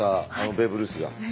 ベーブ・ルースが。